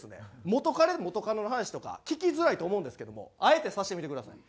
元カレ元カノの話とか聞きづらいと思うんですけどもあえてさせてみてください。